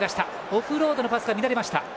オフロードのスが乱れました。